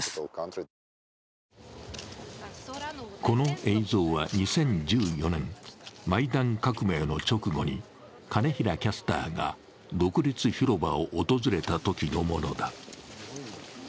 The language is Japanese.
この映像は２０１４年、マイダン革命の直後に金平キャスターが独立広場を訪れたときのものだ。